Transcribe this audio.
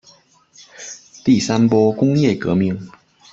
第三波工业革命